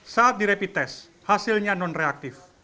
saat direpit tes hasilnya non reaktif